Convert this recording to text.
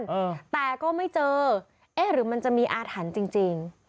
เออแต่ก็ไม่เจอเอ๊ะหรือมันจะมีอาถรรพ์จริงจริง